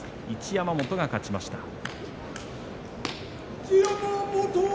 一山本が勝ちました。